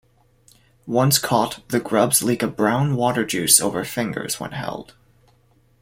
Once caught the grubs leak a brown water juice over fingers when held.